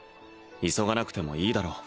急がなくてもいいだろう